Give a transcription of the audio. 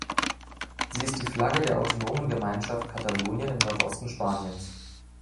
Sie ist die Flagge der autonomen Gemeinschaft Katalonien im Nordosten Spaniens.